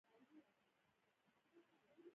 دا یوه پخوانۍ ټولنه وه چې حساس بنسټونه یې لرل